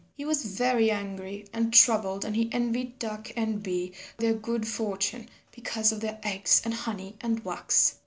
He was very angry and troubled and he envied Duck and Bee their good fortune because of their eggs and honey and wax.